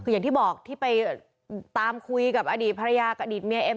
คืออย่างที่บอกที่ไปตามคุยกับอดีตภรรยากับอดีตเมียเอ็ม